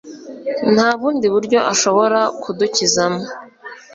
Nta bundi buryo ashobora kudukizamo.